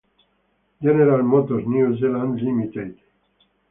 General Motors New Zealand Ltd.